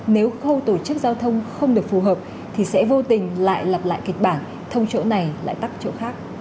nếu khâu tổ chức giao thông không được phù hợp thì sẽ vô tình lại lặp lại kịch bản thông chỗ này lại tắt chỗ khác